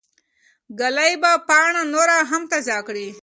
ږلۍ به پاڼه نوره هم تازه کړي.